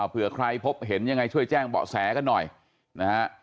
เผื่อใครพบเห็นยังไงช่วยแจ้งเบาะแสกันหน่อยนะฮะ